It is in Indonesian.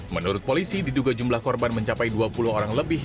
menurut polisi diduga jumlah korban mencapai dua puluh orang lebih